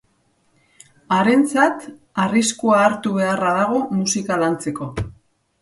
Harentzat, arriskua hartu beharra dago musika lantzeko.